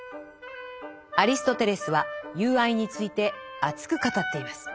アリストテレスは「友愛」について熱く語っています。